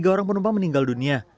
tiga orang penumpang meninggal dunia